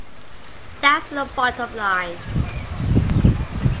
That's the bottom line.